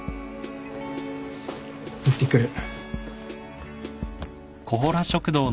いってくる。